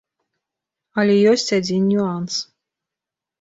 Але ёсць адзін нюанс.